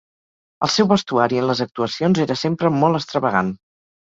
El seu vestuari en les actuacions era sempre molt extravagant.